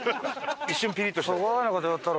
一瞬ピリッとした。